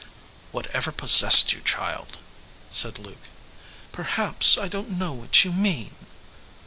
"Whatever possessed you, child?" said Luke. "Perhaps I don t know what you mean."